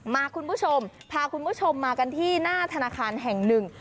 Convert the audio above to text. คุณผู้ชมพาคุณผู้ชมมากันที่หน้าธนาคารแห่งหนึ่ง